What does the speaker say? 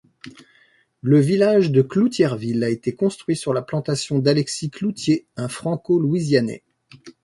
Le village de Cloutierville a été construit sur la plantation d'Alexis Cloutier, un Franco-louisianais.